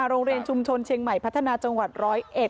โรงเรียนชุมชนเชียงใหม่พัฒนาจังหวัด๑๐๑